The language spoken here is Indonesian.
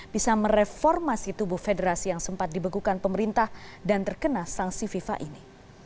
bisa mereformasi tubuh federasi yang sempat dibekukan pemerintah dan terkena sanksi fifa ini